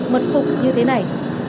mật phục như thế này